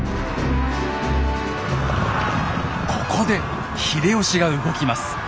ここで秀吉が動きます。